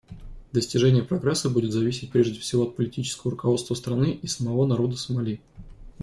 Достижение прогресса будет зависеть, прежде всего, от политического руководства страны и самого народа Сомали.